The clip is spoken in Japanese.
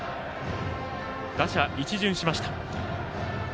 打者一巡しました。